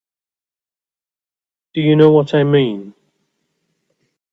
Do you know what I mean?